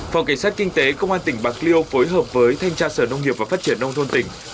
phòng cảnh sát kinh tế công an tỉnh bạc liêu phối hợp với thanh tra sở nông nghiệp và phát triển nông thôn tỉnh